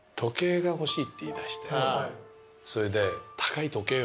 それで。